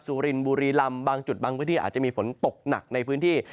สุรินบุรีลำบางจุดบางพื้นที่อาจจะมีฝนตกหนักในพื้นที่